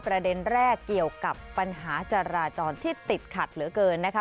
ประเด็นแรกเกี่ยวกับปัญหาจราจรที่ติดขัดเหลือเกินนะคะ